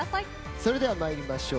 それでは参りましょう。